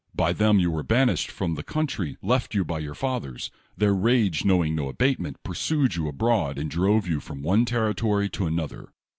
By them you were 1)anished from the country left you by your fathers. Their rage, knowing no abatement, pursued j^oii abroad, and drove you from one territory to another.